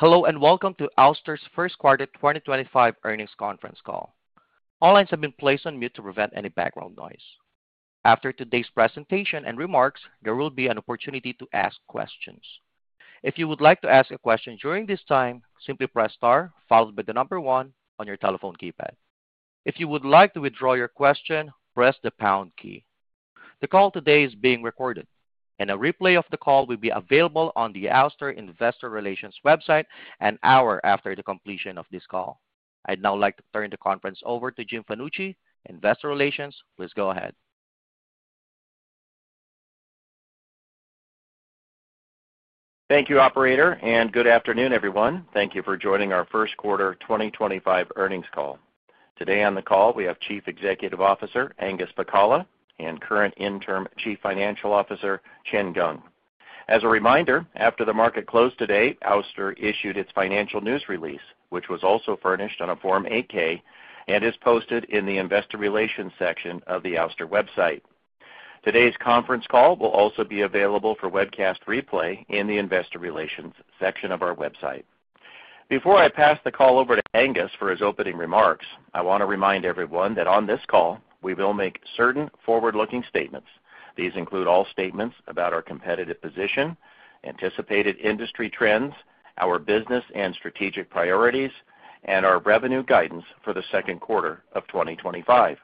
Hello and welcome to Ouster's First Quarter 2025 Earnings Conference Call. All lines have been placed on mute to prevent any background noise. After today's presentation and remarks, there will be an opportunity to ask questions. If you would like to ask a question during this time, simply press star followed by the number one on your telephone keypad. If you would like to withdraw your question, press the pound key. The call today is being recorded, and a replay of the call will be available on the Ouster Investor Relations website an hour after the completion of this call. I'd now like to turn the conference over to Jim Fanucci, Investor Relations. Please go ahead. Thank you, Operator, and good afternoon, everyone. Thank you for joining our First Quarter 2025 Earnings Call. Today on the call, we have Chief Executive Officer Angus Pacala and current Interim Chief Financial Officer Chen Geng. As a reminder, after the market closed today, Ouster issued its financial news release, which was also furnished on a Form 8-K and is posted in the Investor Relations section of the Ouster website. Today's conference call will also be available for webcast replay in the Investor Relations section of our website. Before I pass the call over to Angus for his opening remarks, I want to remind everyone that on this call, we will make certain forward-looking statements. These include all statements about our competitive position, anticipated industry trends, our business and strategic priorities, and our revenue guidance for the second quarter of 2025.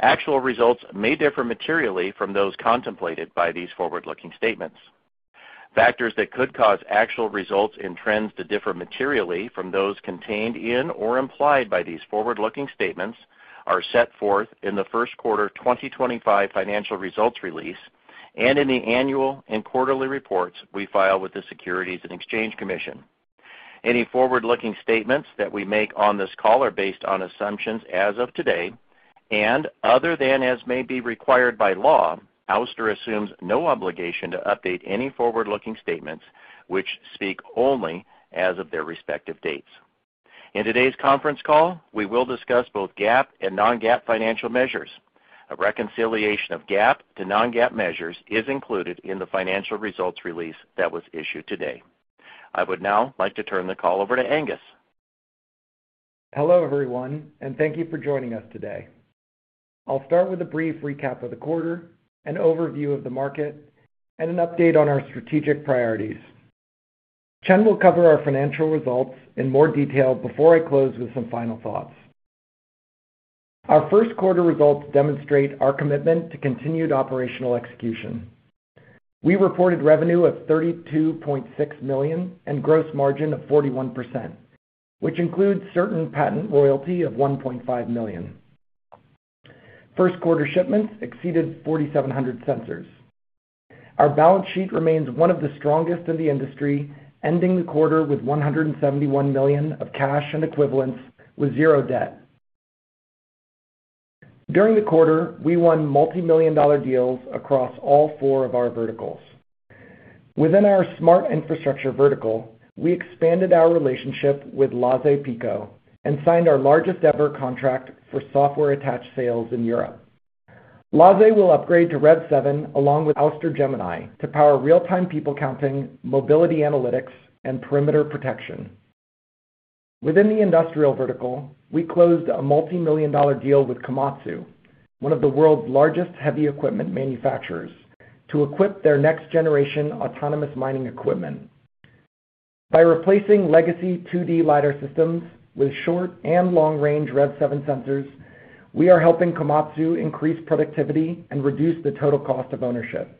Actual results may differ materially from those contemplated by these forward-looking statements. Factors that could cause actual results and trends to differ materially from those contained in or implied by these forward-looking statements are set forth in the first quarter 2025 financial results release and in the annual and quarterly reports we file with the Securities and Exchange Commission. Any forward-looking statements that we make on this call are based on assumptions as of today, and other than as may be required by law, Ouster assumes no obligation to update any forward-looking statements which speak only as of their respective dates. In today's conference call, we will discuss both GAAP and non-GAAP financial measures. A reconciliation of GAAP to non-GAAP measures is included in the financial results release that was issued today. I would now like to turn the call over to Angus. Hello, everyone, and thank you for joining us today. I'll start with a brief recap of the quarter, an overview of the market, and an update on our strategic priorities. Chen will cover our financial results in more detail before I close with some final thoughts. Our first quarter results demonstrate our commitment to continued operational execution. We reported revenue of $32.6 million and gross margin of 41%, which includes certain patent royalty of $1.5 million. First quarter shipments exceeded 4,700 sensors. Our balance sheet remains one of the strongest in the industry, ending the quarter with $171 million of cash and equivalents with zero debt. During the quarter, we won multi-million dollar deals across all four of our verticals. Within our smart infrastructure vertical, we expanded our relationship with LASE PeCo and signed our largest ever contract for software attached sales in Europe. PeCo will upgrade to REV7 along with Ouster Gemini to power real-time people counting, mobility analytics, and perimeter protection. Within the industrial vertical, we closed a multi-million-dollar deal with Komatsu, one of the world's largest heavy equipment manufacturers, to equip their next generation autonomous mining equipment. By replacing legacy 2D LiDAR systems with short and long-range REV7 sensors, we are helping Komatsu increase productivity and reduce the total cost of ownership.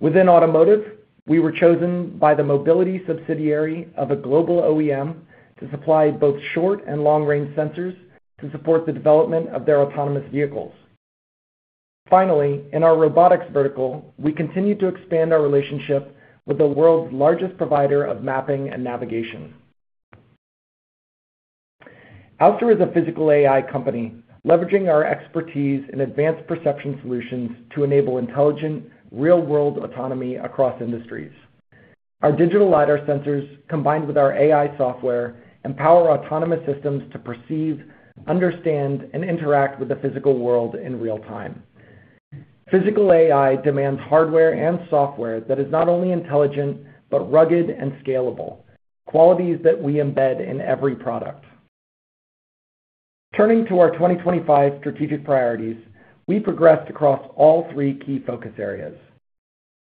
Within automotive, we were chosen by the mobility subsidiary of a global OEM to supply both short and long-range sensors to support the development of their autonomous vehicles. Finally, in our robotics vertical, we continue to expand our relationship with the world's largest provider of mapping and navigation. Ouster is a physical AI company, leveraging our expertise in advanced perception solutions to enable intelligent real-world autonomy across industries. Our digital LiDAR sensors, combined with our AI software, empower autonomous systems to perceive, understand, and interact with the physical world in real time. Physical AI demands hardware and software that is not only intelligent but rugged and scalable, qualities that we embed in every product. Turning to our 2025 strategic priorities, we progressed across all three key focus areas: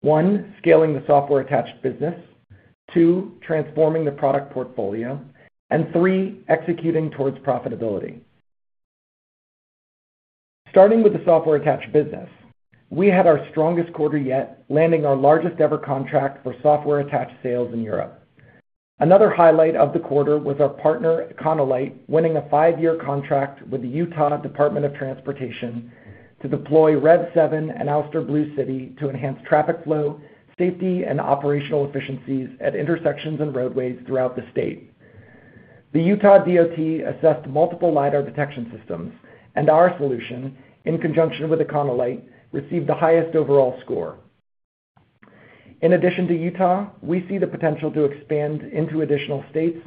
one, scaling the software attached business; two, transforming the product portfolio; and three, executing towards profitability. Starting with the software attached business, we had our strongest quarter yet, landing our largest ever contract for software attached sales in Europe. Another highlight of the quarter was our partner Econolite winning a five-year contract with the Utah Department of Transportation to deploy REV7 and Ouster Blue City to enhance traffic flow, safety, and operational efficiencies at intersections and roadways throughout the state. The Utah DOT assessed multiple LiDAR detection systems, and our solution, in conjunction with Econolite, received the highest overall score. In addition to Utah, we see the potential to expand into additional states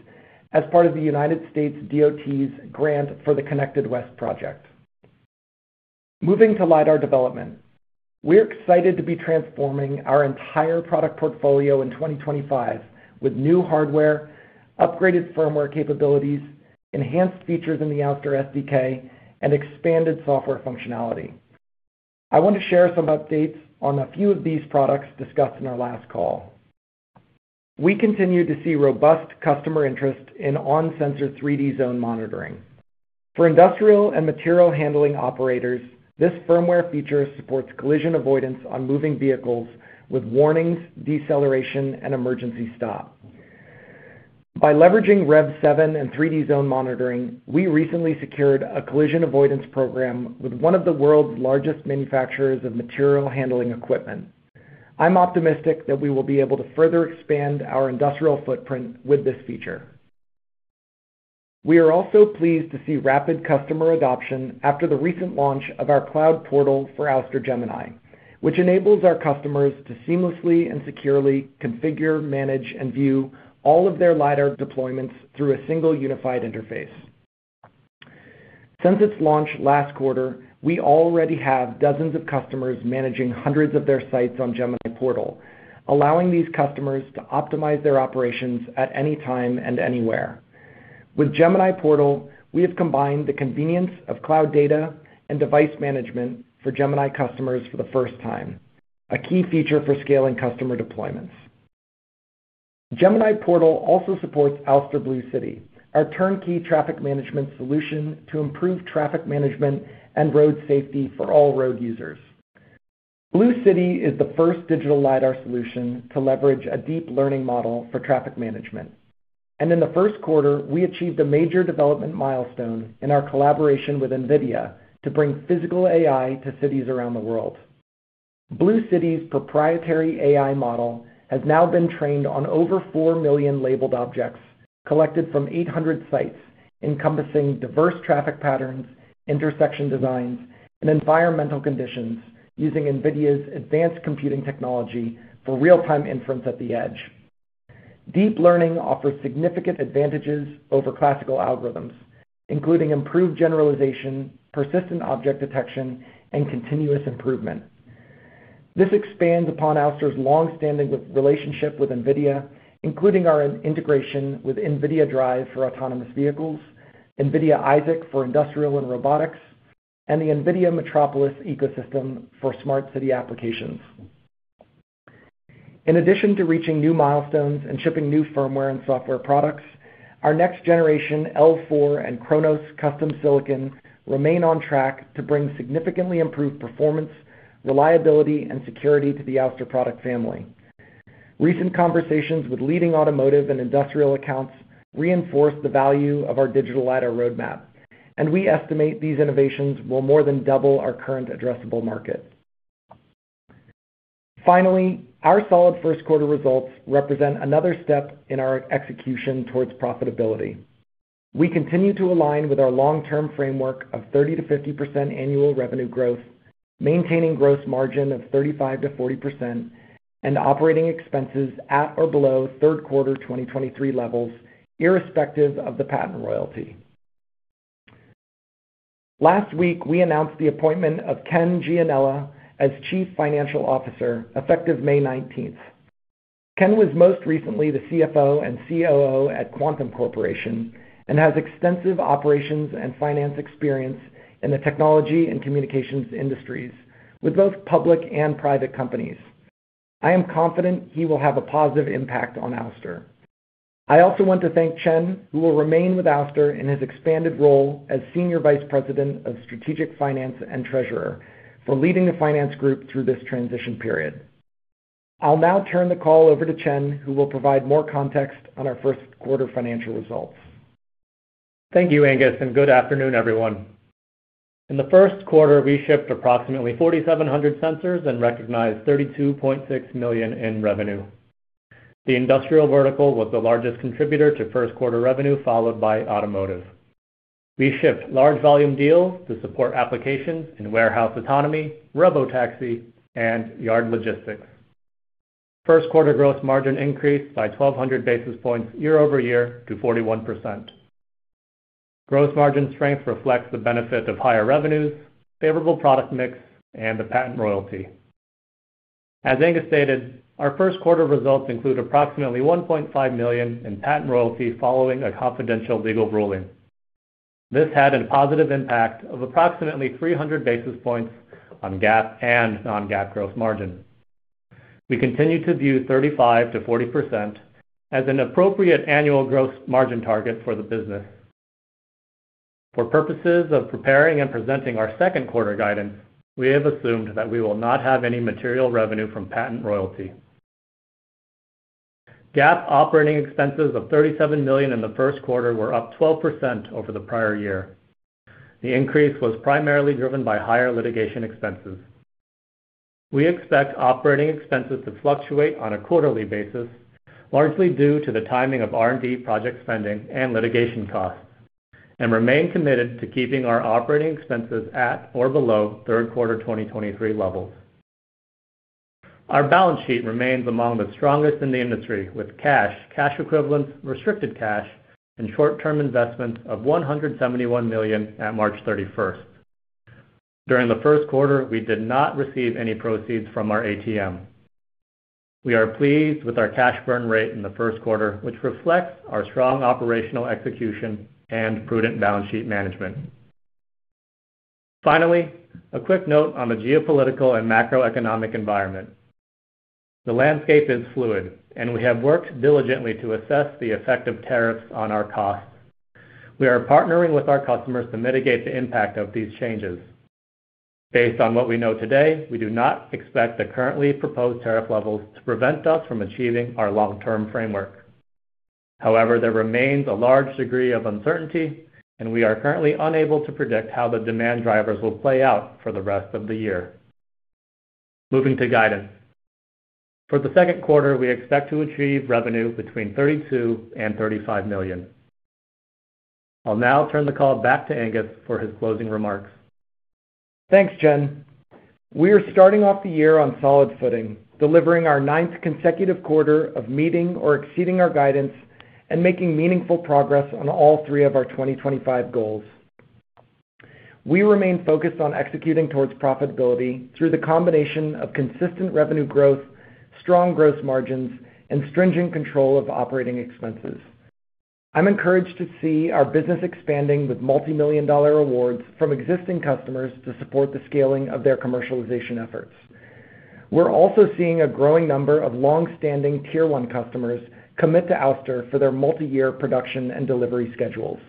as part of the United States DOT's grant for the Connected West project. Moving to LiDAR development, we're excited to be transforming our entire product portfolio in 2025 with new hardware, upgraded firmware capabilities, enhanced features in the Ouster SDK, and expanded software functionality. I want to share some updates on a few of these products discussed in our last call. We continue to see robust customer interest in on-sensor 3D Zone Monitoring. For industrial and material handling operators, this firmware feature supports collision avoidance on moving vehicles with warnings, deceleration, and emergency stop. By leveraging REV7 and 3D Zone Monitoring, we recently secured a collision avoidance program with one of the world's largest manufacturers of material handling equipment. I'm optimistic that we will be able to further expand our industrial footprint with this feature. We are also pleased to see rapid customer adoption after the recent launch of our cloud portal for Ouster Gemini, which enables our customers to seamlessly and securely configure, manage, and view all of their LiDAR deployments through a single unified interface. Since its launch last quarter, we already have dozens of customers managing hundreds of their sites on Gemini Portal, allowing these customers to optimize their operations at any time and anywhere. With Gemini Portal, we have combined the convenience of cloud data and device management for Gemini customers for the first time, a key feature for scaling customer deployments. Gemini Portal also supports Ouster Blue City, our turnkey traffic management solution to improve traffic management and road safety for all road users. Blue City is the first digital LiDAR solution to leverage a deep learning model for traffic management. In the first quarter, we achieved a major development milestone in our collaboration with NVIDIA to bring physical AI to cities around the world. Blue City's proprietary AI model has now been trained on over four million labeled objects collected from 800 sites, encompassing diverse traffic patterns, intersection designs, and environmental conditions using NVIDIA's advanced computing technology for real-time inference at the edge. Deep learning offers significant advantages over classical algorithms, including improved generalization, persistent object detection, and continuous improvement. This expands upon Ouster's long-standing relationship with NVIDIA, including our integration with NVIDIA Drive for autonomous vehicles, NVIDIA Isaac for industrial and robotics, and the NVIDIA Metropolis ecosystem for smart city applications. In addition to reaching new milestones and shipping new firmware and software products, our next generation L4 and Kronos custom silicon remain on track to bring significantly improved performance, reliability, and security to the Ouster product family. Recent conversations with leading automotive and industrial accounts reinforce the value of our digital LiDAR roadmap, and we estimate these innovations will more than double our current addressable market. Finally, our solid first quarter results represent another step in our execution towards profitability. We continue to align with our long-term framework of 30%-50% annual revenue growth, maintaining gross margin of 35%-40%, and operating expenses at or below third quarter 2023 levels irrespective of the patent royalty. Last week, we announced the appointment of Ken Gianella as Chief Financial Officer effective May 19th. Ken was most recently the CFO and COO at Quantum Corporation and has extensive operations and finance experience in the technology and communications industries with both public and private companies. I am confident he will have a positive impact on Ouster. I also want to thank Chen, who will remain with Ouster in his expanded role as Senior Vice President of Strategic Finance and Treasurer for leading the finance group through this transition period. I'll now turn the call over to Chen, who will provide more context on our first quarter financial results. Thank you, Angus, and good afternoon, everyone. In the first quarter, we shipped approximately 4,700 sensors and recognized $32.6 million in revenue. The industrial vertical was the largest contributor to first quarter revenue, followed by automotive. We shipped large volume deals to support applications in warehouse autonomy, robotaxi, and yard logistics. First quarter gross margin increased by 1,200 basis points year-over-year to 41%. Gross margin strength reflects the benefit of higher revenues, favorable product mix, and the patent royalty. As Angus stated, our first quarter results include approximately $1.5 million in patent royalty following a confidential legal ruling. This had a positive impact of approximately 300 basis points on GAAP and non-GAAP gross margin. We continue to view 35%-40% as an appropriate annual gross margin target for the business. For purposes of preparing and presenting our second quarter guidance, we have assumed that we will not have any material revenue from patent royalty. GAAP operating expenses of $37 million in the first quarter were up 12% over the prior year. The increase was primarily driven by higher litigation expenses. We expect operating expenses to fluctuate on a quarterly basis, largely due to the timing of R&D project spending and litigation costs, and remain committed to keeping our operating expenses at or below third quarter 2023 levels. Our balance sheet remains among the strongest in the industry, with cash, cash equivalents, restricted cash, and short-term investments of $171 million at March 31st. During the first quarter, we did not receive any proceeds from our ATM. We are pleased with our cash burn rate in the first quarter, which reflects our strong operational execution and prudent balance sheet management. Finally, a quick note on the geopolitical and macroeconomic environment. The landscape is fluid, and we have worked diligently to assess the effect of tariffs on our costs. We are partnering with our customers to mitigate the impact of these changes. Based on what we know today, we do not expect the currently proposed tariff levels to prevent us from achieving our long-term framework. However, there remains a large degree of uncertainty, and we are currently unable to predict how the demand drivers will play out for the rest of the year. Moving to guidance. For the second quarter, we expect to achieve revenue between $32 million and $35 million. I'll now turn the call back to Angus for his closing remarks. Thanks, Chen. We are starting off the year on solid footing, delivering our ninth consecutive quarter of meeting or exceeding our guidance and making meaningful progress on all three of our 2025 goals. We remain focused on executing towards profitability through the combination of consistent revenue growth, strong gross margins, and stringent control of operating expenses. I'm encouraged to see our business expanding with multi-million-dollar awards from existing customers to support the scaling of their commercialization efforts. We're also seeing a growing number of long-standing tier one customers commit to Ouster for their multi-year production and delivery schedules.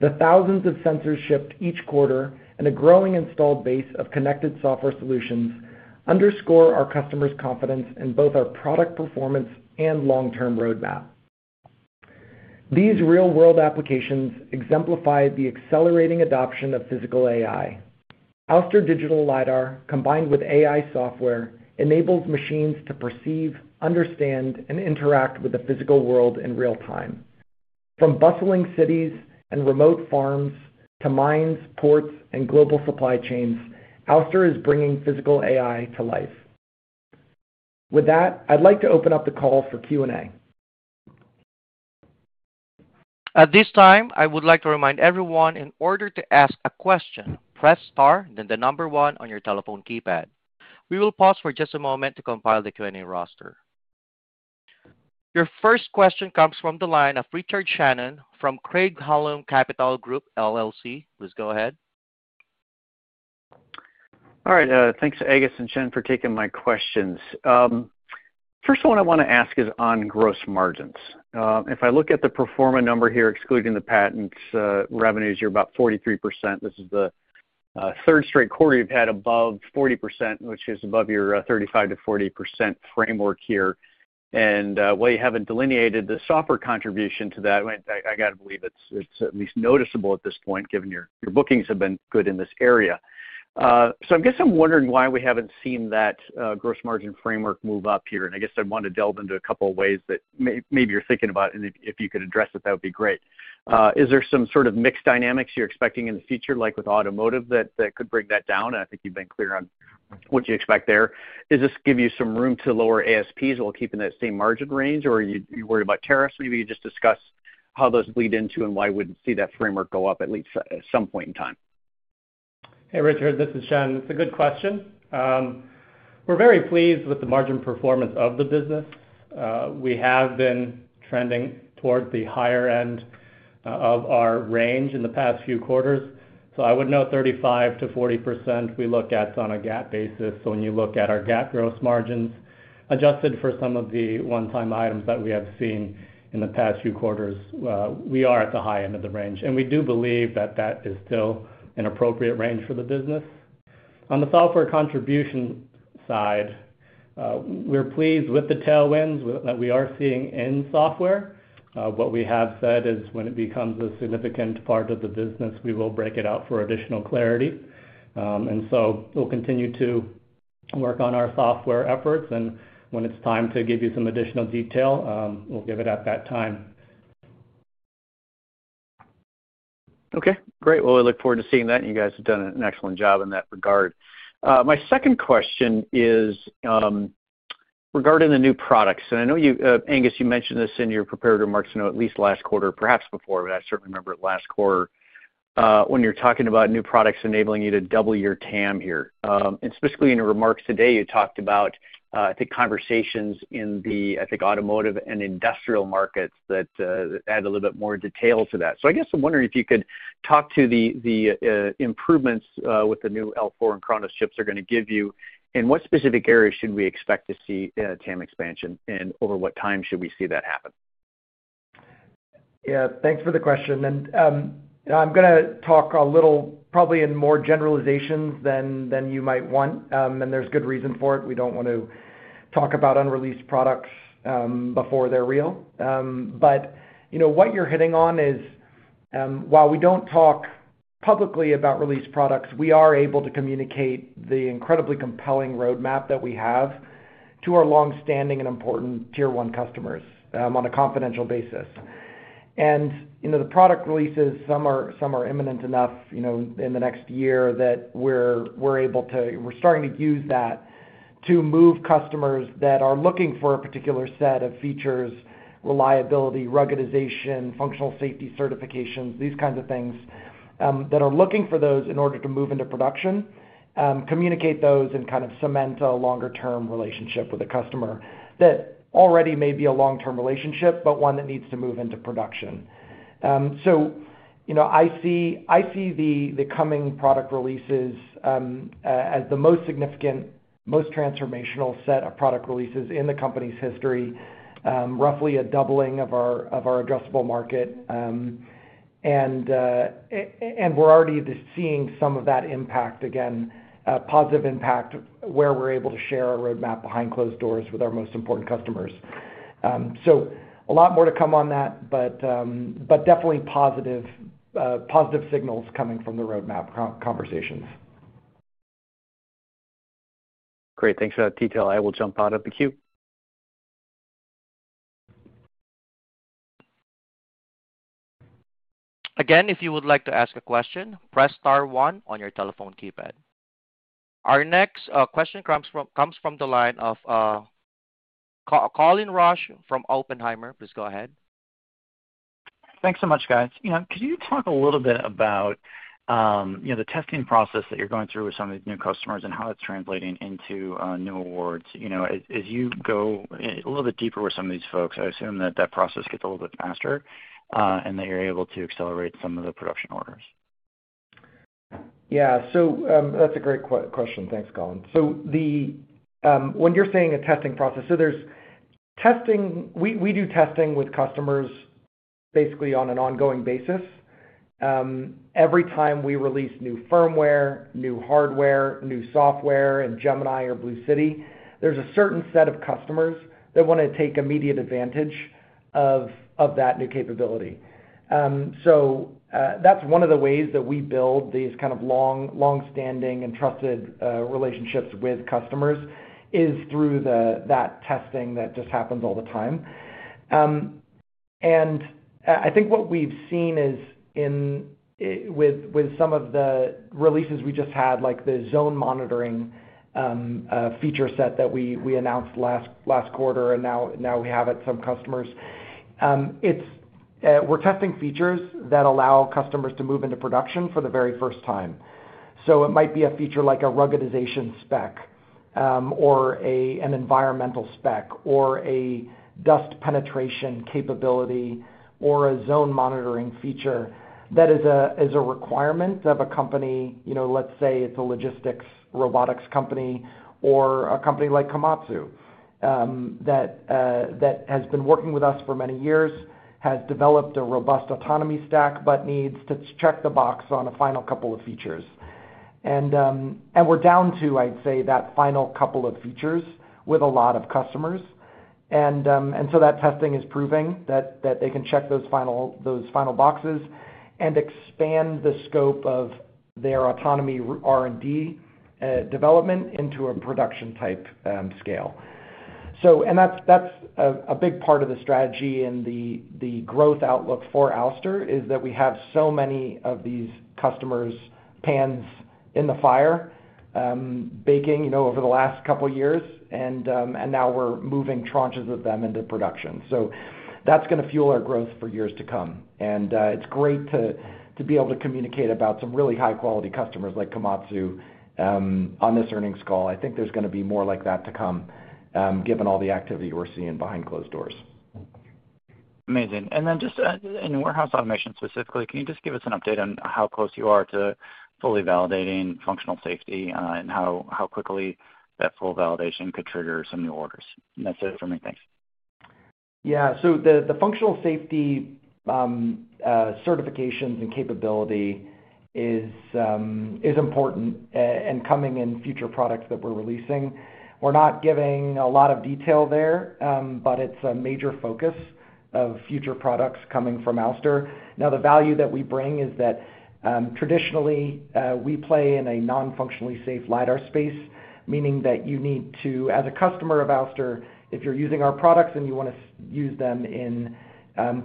The thousands of sensors shipped each quarter and a growing installed base of connected software solutions underscore our customers' confidence in both our product performance and long-term roadmap. These real-world applications exemplify the accelerating adoption of physical AI. Ouster digital LiDAR, combined with AI software, enables machines to perceive, understand, and interact with the physical world in real time. From bustling cities and remote farms to mines, ports, and global supply chains, Ouster is bringing physical AI to life. With that, I'd like to open up the call for Q&A. At this time, I would like to remind everyone in order to ask a question, press star, then the number one on your telephone keypad. We will pause for just a moment to compile the Q&A roster. Your first question comes from the line of Richard Shannon from Craig-Hallum Capital Group LLC. Please go ahead. All right. Thanks, Angus and Chen, for taking my questions. First, what I want to ask is on gross margins. If I look at the pro forma number here, excluding the patent revenues, you're about 43%. This is the third straight quarter you've had above 40%, which is above your 35%-40% framework here. While you haven't delineated the software contribution to that, I got to believe it's at least noticeable at this point, given your bookings have been good in this area. I guess I'm wondering why we haven't seen that gross margin framework move up here. I want to delve into a couple of ways that maybe you're thinking about, and if you could address it, that would be great. Is there some sort of mix dynamics you're expecting in the future, like with automotive, that could bring that down? I think you've been clear on what you expect there. Does this give you some room to lower ASPs while keeping that same margin range, or are you worried about tariffs? Maybe you just discuss how those bleed into and why we wouldn't see that framework go up at least at some point in time. Hey, Richard, this is Chen. It's a good question. We're very pleased with the margin performance of the business. We have been trending toward the higher end of our range in the past few quarters. I would note 35%-40% we look at on a GAAP basis. When you look at our GAAP gross margins adjusted for some of the one-time items that we have seen in the past few quarters, we are at the high end of the range. We do believe that that is still an appropriate range for the business. On the software contribution side, we're pleased with the tailwinds that we are seeing in software. What we have said is when it becomes a significant part of the business, we will break it out for additional clarity. We will continue to work on our software efforts. When it's time to give you some additional detail, we'll give it at that time. Okay. Great. We look forward to seeing that. You guys have done an excellent job in that regard. My second question is regarding the new products. I know, Angus, you mentioned this in your prepared remarks at least last quarter, perhaps before, but I certainly remember it last quarter when you were talking about new products enabling you to double your TAM here. Specifically in your remarks today, you talked about, I think, conversations in the, I think, automotive and industrial markets that add a little bit more detail to that. I guess I'm wondering if you could talk to the improvements with the new L4 and Kronos chips they're going to give you. In what specific areas should we expect to see TAM expansion, and over what time should we see that happen? Yeah. Thanks for the question. I'm going to talk a little probably in more generalizations than you might want. There's good reason for it. We don't want to talk about unreleased products before they're real. What you're hitting on is, while we don't talk publicly about released products, we are able to communicate the incredibly compelling roadmap that we have to our long-standing and important tier one customers on a confidential basis. The product releases, some are imminent enough in the next year that we're able to—we're starting to use that to move customers that are looking for a particular set of features: reliability, ruggedization, functional safety certifications, these kinds of things that are looking for those in order to move into production, communicate those, and kind of cement a longer-term relationship with a customer that already may be a long-term relationship, but one that needs to move into production. I see the coming product releases as the most significant, most transformational set of product releases in the company's history, roughly a doubling of our addressable market. We're already seeing some of that impact, again, positive impact where we're able to share a roadmap behind closed doors with our most important customers. A lot more to come on that, but definitely positive signals coming from the roadmap conversations. Great. Thanks for that detail. I will jump out of the queue. Again, if you would like to ask a question, press star one on your telephone keypad. Our next question comes from the line of Colin Rusch from Oppenheimer. Please go ahead. Thanks so much, guys. Could you talk a little bit about the testing process that you're going through with some of these new customers and how it's translating into new awards? As you go a little bit deeper with some of these folks, I assume that that process gets a little bit faster and that you're able to accelerate some of the production orders. Yeah. That's a great question. Thanks, Colin. When you're saying a testing process, there's testing. We do testing with customers basically on an ongoing basis. Every time we release new firmware, new hardware, new software, and Gemini or Blue City, there's a certain set of customers that want to take immediate advantage of that new capability. That's one of the ways that we build these kind of long-standing and trusted relationships with customers is through that testing that just happens all the time. I think what we've seen is with some of the releases we just had, like the zone monitoring feature set that we announced last quarter, and now we have it at some customers. We're testing features that allow customers to move into production for the very first time. It might be a feature like a ruggedization spec, or an environmental spec, or a dust penetration capability, or a zone monitoring feature that is a requirement of a company. Let's say it's a logistics robotics company or a company like Komatsu that has been working with us for many years, has developed a robust autonomy stack, but needs to check the box on a final couple of features. We're down to, I'd say, that final couple of features with a lot of customers. That testing is proving that they can check those final boxes and expand the scope of their autonomy R&D development into a production-type scale. That is a big part of the strategy and the growth outlook for Ouster is that we have so many of these customers' pans in the fire baking over the last couple of years, and now we are moving tranches of them into production. That is going to fuel our growth for years to come. It is great to be able to communicate about some really high-quality customers like Komatsu on this earnings call. I think there is going to be more like that to come, given all the activity we are seeing behind closed doors. Amazing. Just in warehouse automation specifically, can you give us an update on how close you are to fully validating functional safety and how quickly that full validation could trigger some new orders? That is it for me. Thanks. Yeah. The functional safety certifications and capability is important and coming in future products that we're releasing. We're not giving a lot of detail there, but it's a major focus of future products coming from Ouster. Now, the value that we bring is that traditionally, we play in a non-functionally safe LiDAR space, meaning that you need to, as a customer of Ouster, if you're using our products and you want to use them in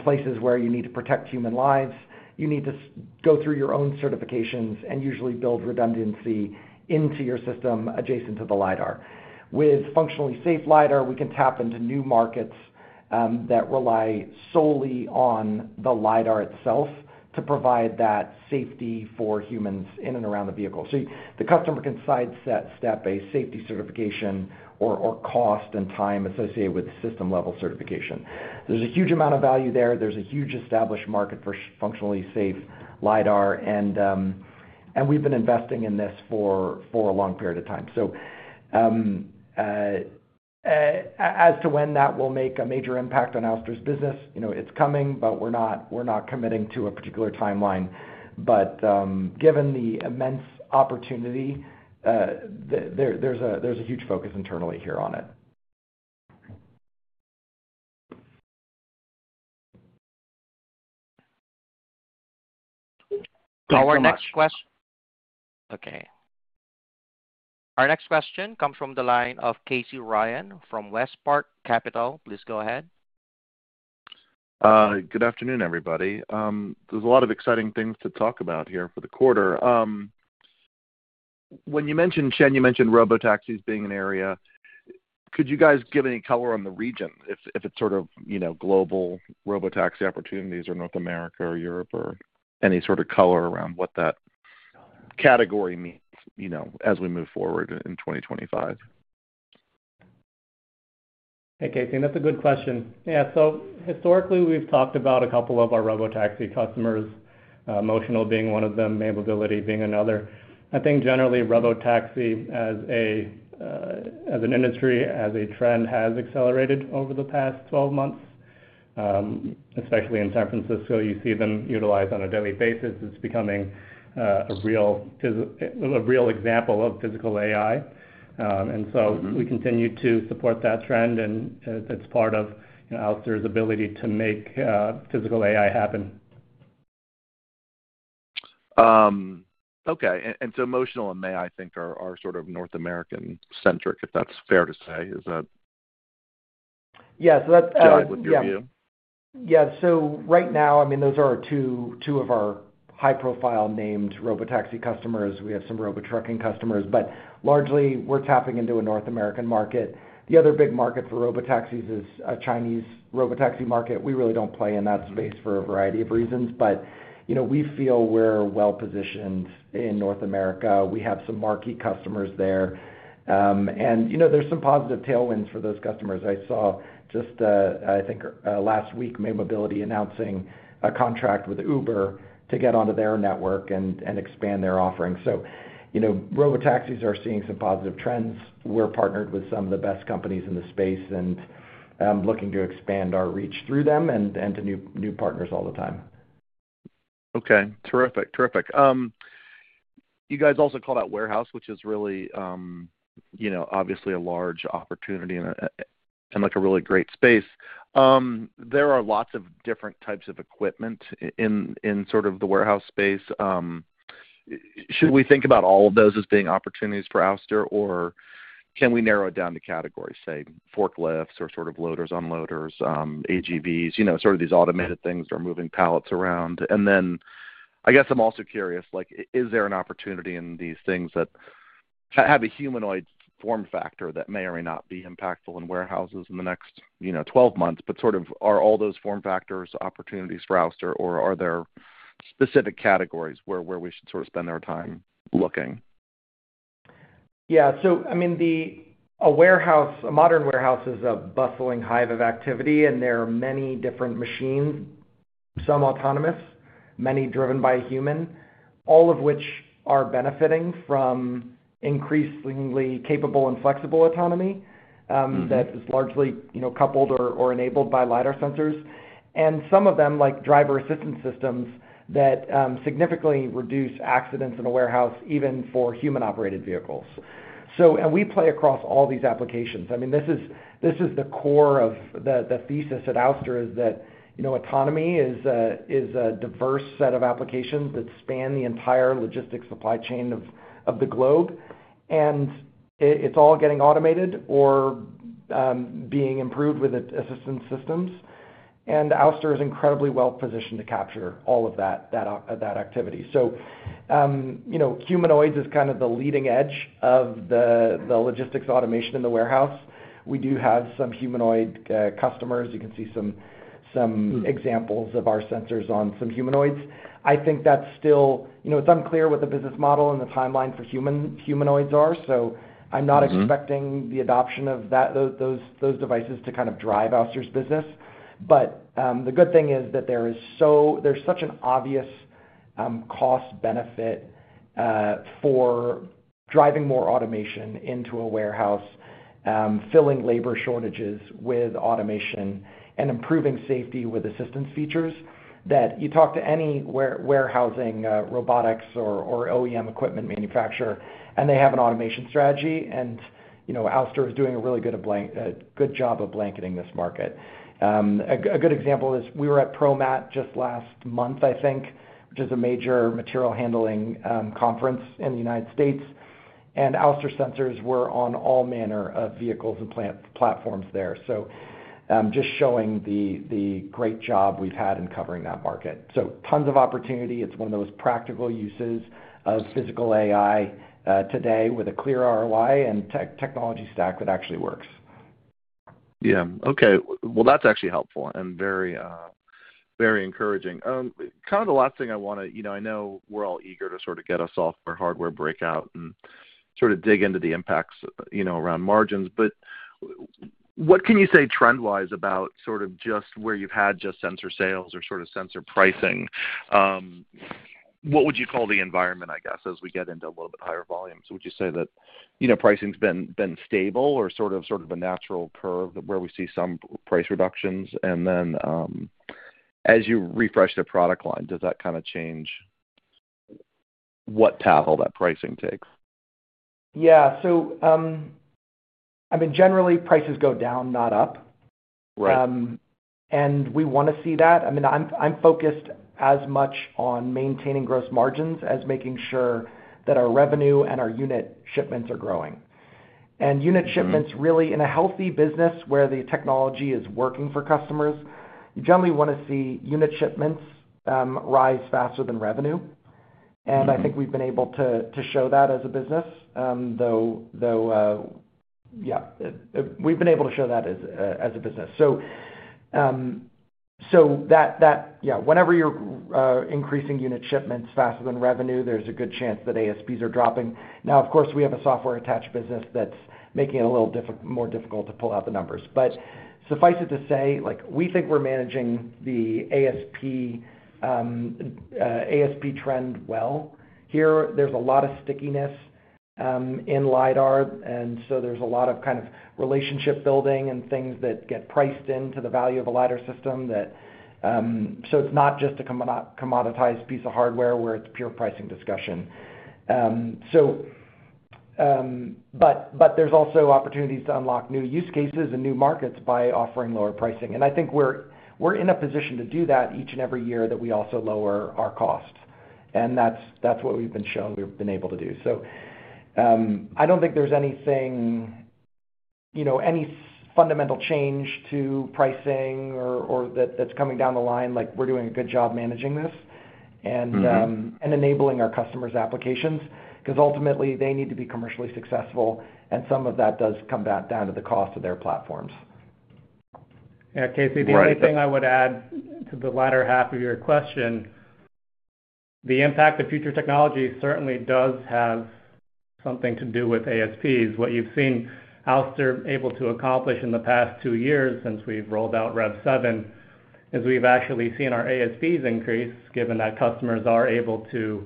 places where you need to protect human lives, you need to go through your own certifications and usually build redundancy into your system adjacent to the LiDAR. With functionally safe LiDAR, we can tap into new markets that rely solely on the LiDAR itself to provide that safety for humans in and around the vehicle. The customer can sidestep a safety certification or cost and time associated with the system-level certification. There's a huge amount of value there. There's a huge established market for functionally safe LiDAR. We've been investing in this for a long period of time. As to when that will make a major impact on Ouster's business, it's coming, but we're not committing to a particular timeline. Given the immense opportunity, there's a huge focus internally here on it. Our next question comes from the line of Casey Ryan from WestPark Capital. Please go ahead. Good afternoon, everybody. There is a lot of exciting things to talk about here for the quarter. When you mentioned, Chen, you mentioned robotaxis being an area. Could you guys give any color on the region, if it is sort of global robotaxi opportunities or North America or Europe or any sort of color around what that category means as we move forward in 2025? Hey, Casey. That's a good question. Yeah. Historically, we've talked about a couple of our robotaxi customers, Motional being one of them, Mobility being another. I think generally, robotaxi as an industry, as a trend, has accelerated over the past 12 months, especially in San Francisco. You see them utilized on a daily basis. It's becoming a real example of physical AI. We continue to support that trend, and it's part of Ouster's ability to make physical AI happen. Okay. And so Motional and May, I think, are sort of North American-centric, if that's fair to say. Is that? Yeah. So that. Shared with your view? Yeah. So right now, I mean, those are two of our high-profile named robotaxi customers. We have some robo-trucking customers, but largely, we're tapping into a North American market. The other big market for robotaxis is a Chinese robotaxi market. We really don't play in that space for a variety of reasons, but we feel we're well-positioned in North America. We have some marquee customers there. There's some positive tailwinds for those customers. I saw just, I think, last week, Mobility announcing a contract with Uber to get onto their network and expand their offering. Robotaxis are seeing some positive trends. We're partnered with some of the best companies in the space and looking to expand our reach through them and to new partners all the time. Okay. Terrific. Terrific. You guys also call that warehouse, which is really obviously a large opportunity and a really great space. There are lots of different types of equipment in sort of the warehouse space. Should we think about all of those as being opportunities for Ouster, or can we narrow it down to categories, say, forklifts or sort of loaders, unloaders, AGVs, sort of these automated things that are moving pallets around? I guess I'm also curious, is there an opportunity in these things that have a humanoid form factor that may or may not be impactful in warehouses in the next 12 months? Sort of, are all those form factors opportunities for Ouster, or are there specific categories where we should sort of spend our time looking? Yeah. I mean, a modern warehouse is a bustling hive of activity, and there are many different machines, some autonomous, many driven by a human, all of which are benefiting from increasingly capable and flexible autonomy that is largely coupled or enabled by LiDAR sensors. Some of them, like driver assistance systems, significantly reduce accidents in a warehouse, even for human-operated vehicles. We play across all these applications. I mean, this is the core of the thesis at Ouster, that autonomy is a diverse set of applications that span the entire logistics supply chain of the globe. It's all getting automated or being improved with assistance systems. Ouster is incredibly well-positioned to capture all of that activity. Humanoids is kind of the leading edge of the logistics automation in the warehouse. We do have some humanoid customers. You can see some examples of our sensors on some humanoids. I think that's still, it's unclear what the business model and the timeline for humanoids are. I'm not expecting the adoption of those devices to kind of drive Ouster's business. The good thing is that there's such an obvious cost-benefit for driving more automation into a warehouse, filling labor shortages with automation, and improving safety with assistance features that you talk to any warehousing robotics or OEM equipment manufacturer, and they have an automation strategy. Ouster is doing a really good job of blanketing this market. A good example is we were at ProMat just last month, I think, which is a major material handling conference in the United States. Ouster sensors were on all manner of vehicles and platforms there, just showing the great job we've had in covering that market. Tons of opportunity. It's one of those practical uses of physical AI today with a clear ROI and technology stack that actually works. Yeah. Okay. That's actually helpful and very encouraging. Kind of the last thing I want to—I know we're all eager to sort of get a software hardware breakout and sort of dig into the impacts around margins. What can you say trend-wise about sort of just where you've had just sensor sales or sort of sensor pricing? What would you call the environment, I guess, as we get into a little bit higher volumes? Would you say that pricing's been stable or sort of a natural curve where we see some price reductions? As you refresh the product line, does that kind of change what path all that pricing takes? Yeah. I mean, generally, prices go down, not up. We want to see that. I mean, I'm focused as much on maintaining gross margins as making sure that our revenue and our unit shipments are growing. Unit shipments, really, in a healthy business where the technology is working for customers, you generally want to see unit shipments rise faster than revenue. I think we've been able to show that as a business, though, yeah, we've been able to show that as a business. Whenever you're increasing unit shipments faster than revenue, there's a good chance that ASPs are dropping. Now, of course, we have a software-attached business that's making it a little more difficult to pull out the numbers. Suffice it to say, we think we're managing the ASP trend well. Here, there's a lot of stickiness in LiDAR. There is a lot of kind of relationship building and things that get priced into the value of a LiDAR system, so it is not just a commoditized piece of hardware where it is pure pricing discussion. There are also opportunities to unlock new use cases and new markets by offering lower pricing. I think we are in a position to do that each and every year that we also lower our costs. That is what we have shown we have been able to do. I do not think there is anything, any fundamental change to pricing or that is coming down the line. We are doing a good job managing this and enabling our customers' applications because ultimately, they need to be commercially successful. Some of that does come back down to the cost of their platforms. Yeah. Casey, the only thing I would add to the latter half of your question, the impact of future technology certainly does have something to do with ASPs. What you've seen Ouster able to accomplish in the past two years since we've rolled out REV7 is we've actually seen our ASPs increase given that customers are able to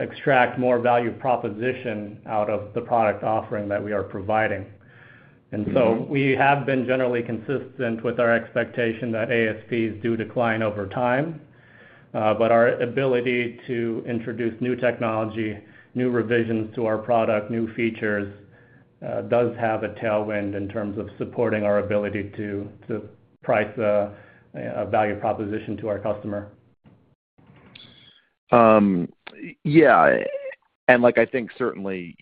extract more value proposition out of the product offering that we are providing. We have been generally consistent with our expectation that ASPs do decline over time. Our ability to introduce new technology, new revisions to our product, new features does have a tailwind in terms of supporting our ability to price a value proposition to our customer. Yeah. I think certainly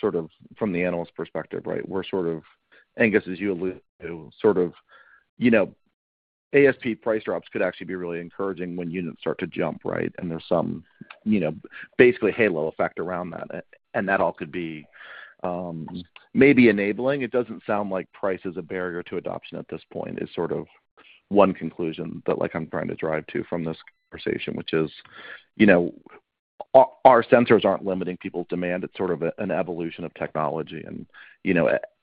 sort of from the analyst perspective, right, we're sort of, I guess, as you allude, sort of ASP price drops could actually be really encouraging when units start to jump, right? There's some basically halo effect around that. That all could be maybe enabling. It doesn't sound like price is a barrier to adoption at this point is sort of one conclusion that I'm trying to drive to from this conversation, which is our sensors aren't limiting people's demand. It's sort of an evolution of technology.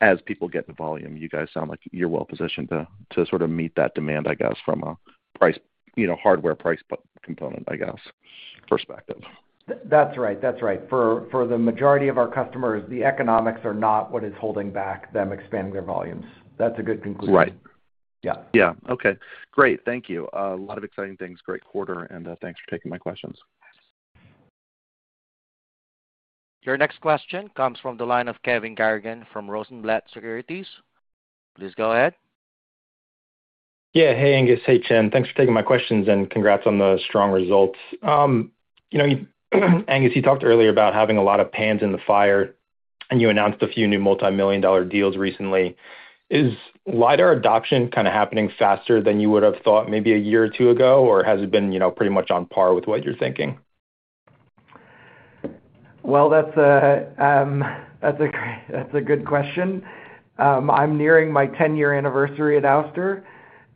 As people get the volume, you guys sound like you're well-positioned to sort of meet that demand, I guess, from a hardware price component, I guess, perspective. That's right. That's right. For the majority of our customers, the economics are not what is holding back them expanding their volumes. That's a good conclusion. Right. Yeah. Yeah. Okay. Great. Thank you. A lot of exciting things. Great quarter. Thanks for taking my questions. Your next question comes from the line of Kevin Garrigan from Rosenblatt Securities. Please go ahead. Yeah. Hey, Angus. Hey, Chen. Thanks for taking my questions and congrats on the strong results. Angus, you talked earlier about having a lot of pans in the fire, and you announced a few new multi-million dollar deals recently. Is LiDAR adoption kind of happening faster than you would have thought maybe a year or two ago, or has it been pretty much on par with what you're thinking? That's a good question. I'm nearing my 10-year anniversary at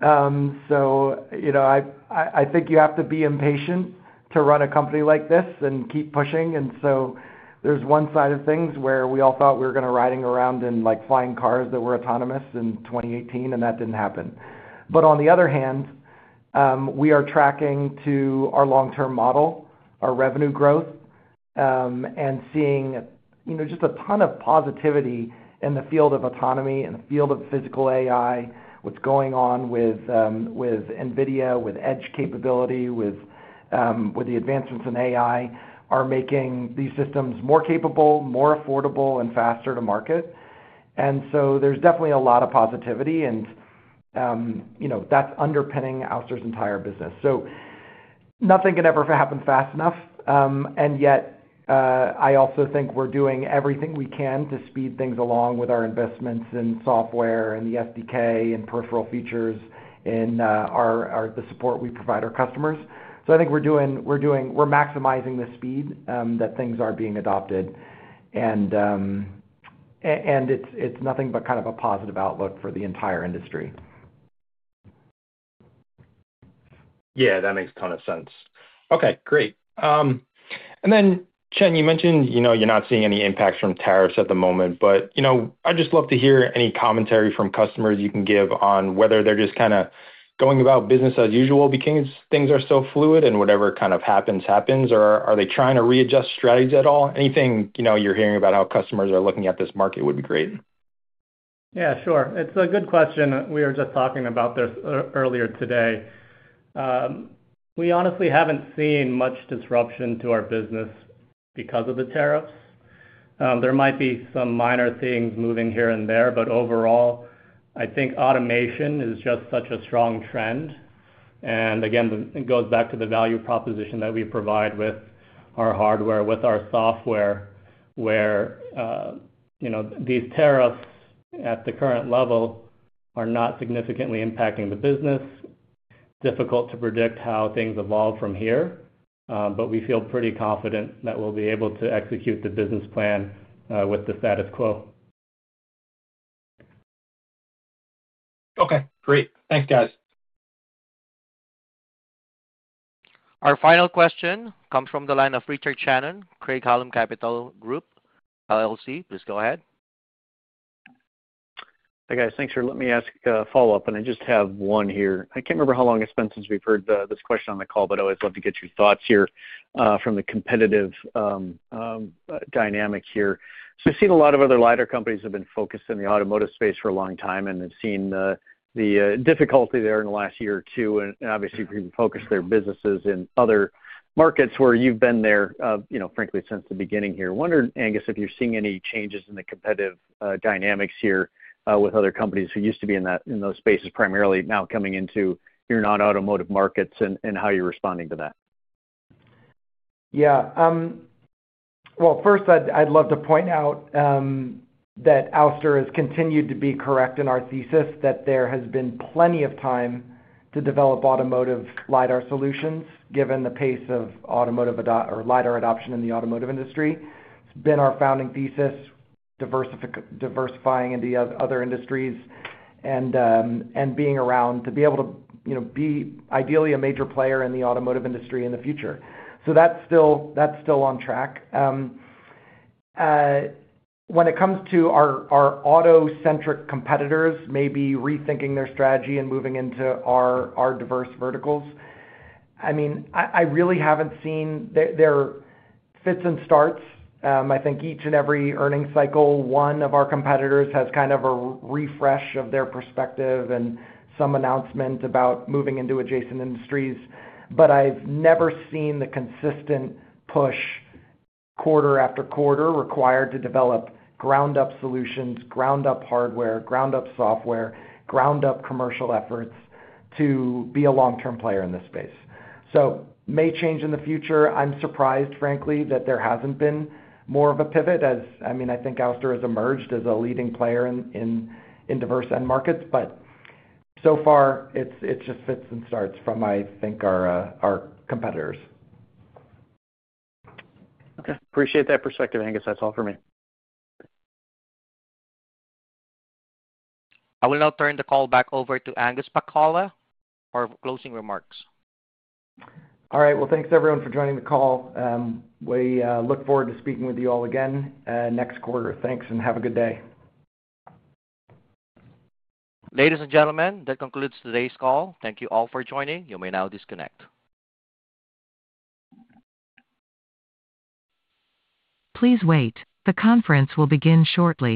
Ouster. I think you have to be impatient to run a company like this and keep pushing. There's one side of things where we all thought we were going to be riding around in flying cars that were autonomous in 2018, and that didn't happen. On the other hand, we are tracking to our long-term model, our revenue growth, and seeing just a ton of positivity in the field of autonomy and the field of physical AI. What's going on with NVIDIA, with edge capability, with the advancements in AI are making these systems more capable, more affordable, and faster to market. There's definitely a lot of positivity, and that's underpinning Ouster's entire business. Nothing can ever happen fast enough. Yet, I also think we're doing everything we can to speed things along with our investments in software and the SDK and peripheral features in the support we provide our customers. I think we're maximizing the speed that things are being adopted. It's nothing but kind of a positive outlook for the entire industry. Yeah. That makes a ton of sense. Okay. Great. Chen, you mentioned you're not seeing any impacts from tariffs at the moment, but I'd just love to hear any commentary from customers you can give on whether they're just kind of going about business as usual because things are so fluid and whatever kind of happens, happens. Are they trying to readjust strategies at all? Anything you're hearing about how customers are looking at this market would be great. Yeah. Sure. It's a good question. We were just talking about this earlier today. We honestly haven't seen much disruption to our business because of the tariffs. There might be some minor things moving here and there, but overall, I think automation is just such a strong trend. Again, it goes back to the value proposition that we provide with our hardware, with our software, where these tariffs at the current level are not significantly impacting the business. Difficult to predict how things evolve from here, but we feel pretty confident that we'll be able to execute the business plan with the status quo. Okay. Great. Thanks, guys. Our final question comes from the line of Richard Shannon, Craig-Hallum Capital Group LLC. Please go ahead. Hey, guys. Thanks for letting me ask a follow-up. I just have one here. I can't remember how long it's been since we've heard this question on the call, but I always love to get your thoughts here from the competitive dynamic here. I've seen a lot of other LiDAR companies have been focused in the automotive space for a long time and have seen the difficulty there in the last year or two. Obviously, people focus their businesses in other markets where you've been there, frankly, since the beginning here. I wonder, Angus, if you're seeing any changes in the competitive dynamics here with other companies who used to be in those spaces primarily now coming into your non-automotive markets and how you're responding to that. Yeah. First, I'd love to point out that Ouster has continued to be correct in our thesis that there has been plenty of time to develop automotive LiDAR solutions given the pace of automotive or LiDAR adoption in the automotive industry. It's been our founding thesis, diversifying into other industries and being around to be able to be ideally a major player in the automotive industry in the future. That is still on track. When it comes to our auto-centric competitors maybe rethinking their strategy and moving into our diverse verticals, I mean, I really haven't seen their fits and starts. I think each and every earnings cycle, one of our competitors has kind of a refresh of their perspective and some announcement about moving into adjacent industries. I've never seen the consistent push quarter after quarter required to develop ground-up solutions, ground-up hardware, ground-up software, ground-up commercial efforts to be a long-term player in this space. It may change in the future. I'm surprised, frankly, that there hasn't been more of a pivot as, I mean, I think Ouster has emerged as a leading player in diverse end markets. So far, it's just fits and starts from, I think, our competitors. Okay. Appreciate that perspective, Angus. That's all for me. I will now turn the call back over to Angus Pacala for closing remarks. All right. Thanks, everyone, for joining the call. We look forward to speaking with you all again next quarter. Thanks, and have a good day. Ladies and gentlemen, that concludes today's call. Thank you all for joining. You may now disconnect. Please wait. The conference will begin shortly.